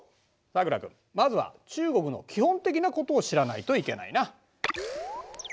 さくら君まずは中国の基本的なことを知らないといけないな。